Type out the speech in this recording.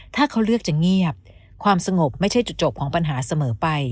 ถ้าเขาเลือกจะเงียบความสงบไม่ใช่จุดจบของปัญหาเสมอไป